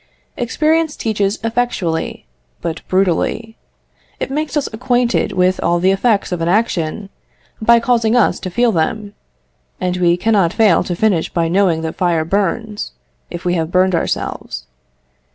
Experience teaches effectually, but brutally. It makes us acquainted with all the effects of an action, by causing us to feel them; and we cannot fail to finish by knowing that fire burns, if we have burned ourselves.